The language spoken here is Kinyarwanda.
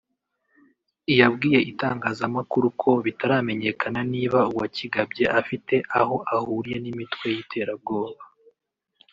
yabwiye itangazamakuru ko bitaramenyekana niba uwakigabye afite aho ahuriye n’imitwe y’iterabwoba